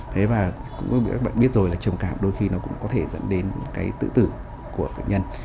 đấy và các bạn biết rồi là trầm cảm đôi khi nó cũng có thể dẫn đến cái tự tử của bệnh nhân